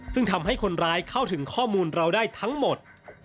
ซึ่งทำให้คนร้ายเข้าถึงข้อมูลเราได้ทั้งหมด